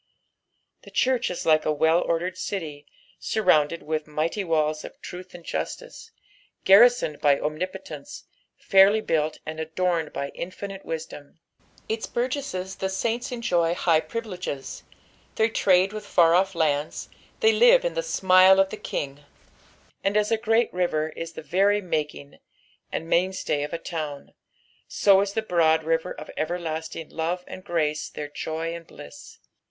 The church is like a well ordered city, surrounded with mighty walls of truth and justice, garrisoned by omnipotence, fairly built aud adorned by infinite wisdom : its burgesses the saints enjoy high privileges ; they trade with far oS lands, they live in the smile of the King ; and as a great river is the very making and mainstay of a town, so is the broad river of eveilasting love and grace their joy and bliss.